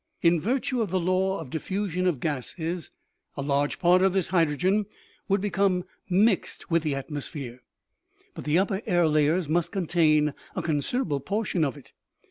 In virtue of the law of diffusion of gases, a large part of this hydrogen would become mixed with the atmosphere, but the upper air layers must contain a considerable portion of it.